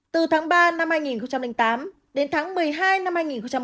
từ tháng ba năm hai nghìn tám đến tháng một mươi hai năm hai nghìn một mươi ba